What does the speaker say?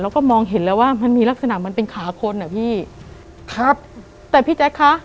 แล้วก็มองเห็นแล้วว่ามันมีลักษณะมันเป็นขาคนอ่ะพี่ครับแต่พี่แจ๊คคะ